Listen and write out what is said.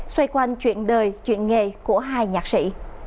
xoay quanh chuyện đời chuyện nghề của hai nhạc sĩ